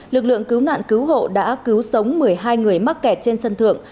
lực lượng cứu nạn cứu hộ đã cứu sống một mươi hai người mắc kẹt trên sân thượng